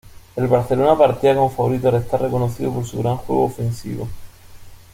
El Barcelona partía como favorito al estar reconocido por su gran juego ofensivo.